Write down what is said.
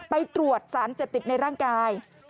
ไปตรวจสารเสพติดในร่างกาย